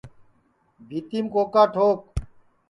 بھِیتِیم کوکا ٹھوک